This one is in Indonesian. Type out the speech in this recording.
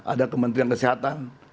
ada kementrian kesehatan